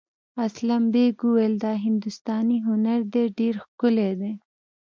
اسلم بېگ وویل دا هندوستاني هنر دی ډېر ښکلی دی.